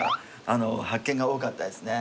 あのう発見が多かったですね。